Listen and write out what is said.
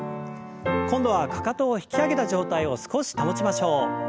今度はかかとを引き上げた状態を少し保ちましょう。